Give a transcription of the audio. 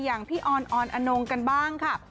อย่างพี่ออนออนอนงกันบ้างค่ะ